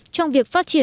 trong việc phát triển